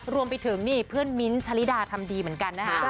รวมไปถึงนี่เพื่อนมิ้นท์ชะลิดาทำดีเหมือนกันนะคะ